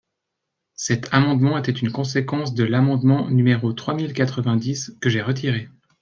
Cet amendement était une conséquence de l’amendement numéro trois mille quatre-vingt-dix, que j’ai retiré.